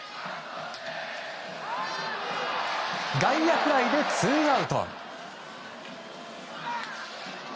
外野フライでツーアウト。